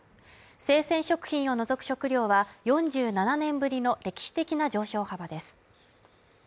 生鮮食品を除く食料は４７年ぶりの歴史的な上昇幅です。